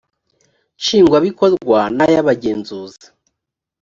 nshingwabikorwa n ay abagenzuzi